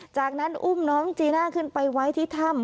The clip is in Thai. จากนั้นอุ้มน้องจีน่าขึ้นไปไว้ที่ถ้ำ